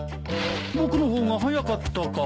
僕の方が早かったか。